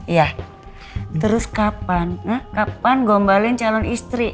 iya terus kapan kapan gombalin calon istri